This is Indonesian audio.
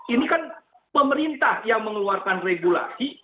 ini kan pemerintah yang mengeluarkan regulasi